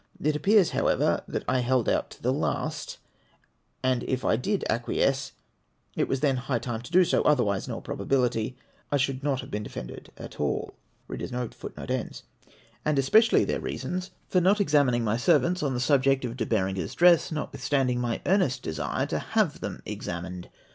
It appears, how ever, that I held out to the last : and if I did acquiesce, it was then high time to do so, otherwise, in all probability, I shoidd not have be(}n de fended at all. ADDRESS TO THE ELECTORS OF AVESTMIXSTER. 457 servants on the subject of De Berenger's dress, notwitlistand ing my earnest desire to have them examined.